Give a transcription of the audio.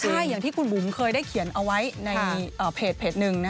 ใช่อย่างที่คุณบุ๋มเคยได้เขียนเอาไว้ในเพจหนึ่ง